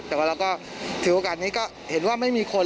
แต่ถือโอกาสนี้ก็เห็นว่าไม่มีคน